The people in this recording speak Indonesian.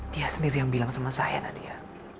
dia sendiri yang bilang sama saya nadia